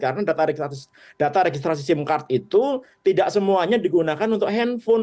karena data registrasi sim card itu tidak semuanya digunakan untuk handphone